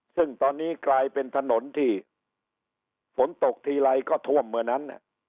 ซึ่งตอนนี้กลายเป็นถนนที่ฝนตกทีไรก็ท่วมเมื่อนั้น